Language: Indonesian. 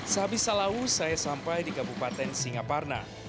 sehabis salawu saya sampai di kabupaten singaparna